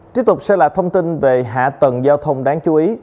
tiếp tục sẽ là thông tin về hạ tầng giao thông đáng chú ý